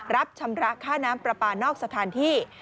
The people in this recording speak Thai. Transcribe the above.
ชำระค่าน้ำปลาปลานอกสถานที่